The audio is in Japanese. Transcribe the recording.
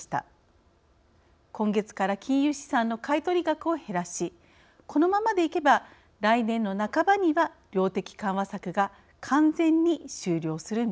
今月から金融資産の買い取り額を減らしこのままでいけば来年の半ばには量的緩和策が完全に終了する見通しです。